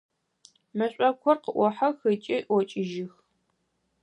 Мэшӏокухэр къыӏохьэх ыкӏи ӏокӏыжьых.